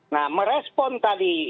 nah merespon tadi